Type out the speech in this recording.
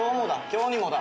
今日にもだ？